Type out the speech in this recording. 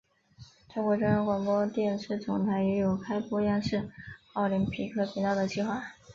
中国中央广播电视总台也有开播央视奥林匹克频道的计划。